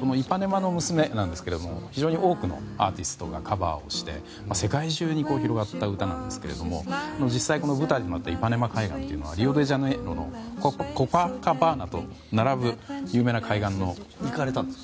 この「イパネマの娘」なんですが非常に多くのアーティストがカバーをして世界中に広がった歌なんですが実際、この舞台にもなったイパネマ海岸はリオデジャネイロのコパカパーナと並ぶ有名な海岸なんです。